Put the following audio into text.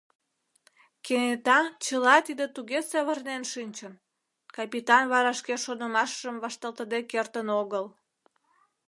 Кенета чыла тиде туге савырнен шинчын — капитан вара шке шонымашыжым вашталтыде кертын огыл.